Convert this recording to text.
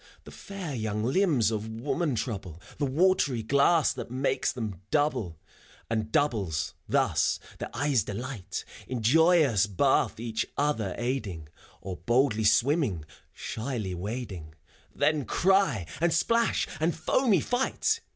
The fair young limbs of women trouble The watery glass that makes them double, And doubles, thus, the eye's delight: In joyous bath each other aiding, Or boldly swimming, shyly wading. Then cry, and splash, and foamy fight.